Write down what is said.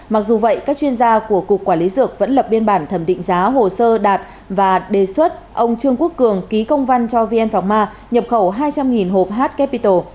mặc dù vậy các chuyên gia của cục quản lý dược vẫn lập biên bản thẩm định giá hồ sơ đạt và đề xuất ông trương quốc cường ký công văn cho vn pharma nhập khẩu hai trăm linh hộp h capital